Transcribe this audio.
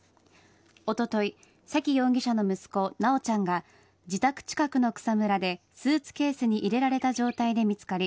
おととい沙喜容疑者の息子・修ちゃんが自宅近くの草むらでスーツケースに入れられた状態で見つかり